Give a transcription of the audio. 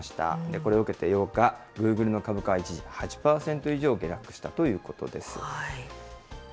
これを受けて８日、グーグルの株価は一時８％以上下落したということです。